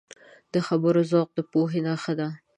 د خبرو ذوق د پوهې نښه ده